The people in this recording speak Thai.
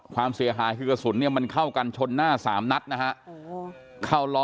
ความเสียหายคือกระสุนเนี่ยมันเข้ากันชนหน้า๓นัดนะฮะเข้าล้อ